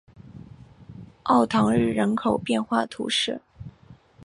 奥唐日人口变化图示